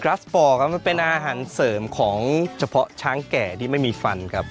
ราฟปอร์ครับมันเป็นอาหารเสริมของเฉพาะช้างแก่ที่ไม่มีฟันครับ